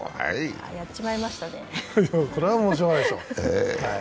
これはもうしようがないですよ。